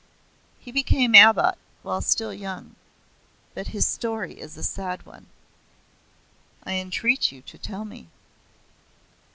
He became abbot while still young. But his story is a sad one." "I entreat you to tell me."